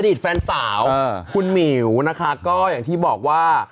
แฟนสาวคุณหมิวนะคะก็อย่างที่บอกว่า